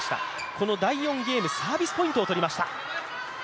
この第４ゲームサービスポイントを取りました。